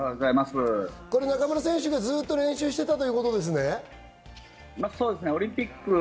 中村選手がずっと練習していたということですね。